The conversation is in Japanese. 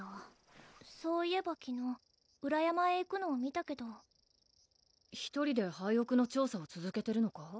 そういえば昨日裏山へ行くのを見たけど１人で廃屋の調査をつづけてるのか？